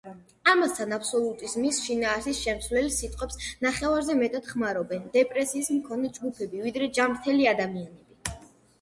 ამასთან, აბსოლუტიზმის შინაარსის შემცველ სიტყვებს ნახევარზე მეტად ხმარობდნენ დეპრესიის მქონე ჯგუფები, ვიდრე ჯანმრთელი ადამიანები.